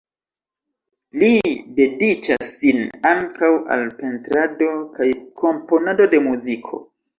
Li dediĉas sin ankaŭ al pentrado kaj komponado de muziko.